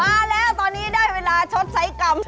มาแล้วตอนนี้ได้เวลาชดใช้กรรม